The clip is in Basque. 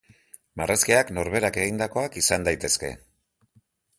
Marrazkiak norberak egindakoak izan daitezke.